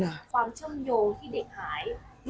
ความเชื่อมโยงที่เด็กหาย